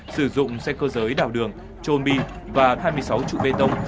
sử dụng xe cơ giới đào đường trôn bi và hai mươi sáu trụ bê tông